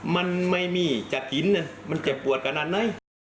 มันไม่มีจากหินมันเจ็บปวดขนาดไหน